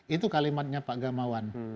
itu kalimatnya pak gamawan